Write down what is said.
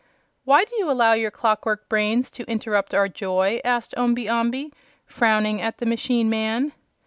"Why do you allow your clock work brains to interrupt our joy?" asked Omby Amby, frowning at the machine man.